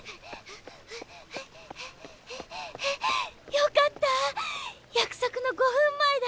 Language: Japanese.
よかった約束の５分前だ。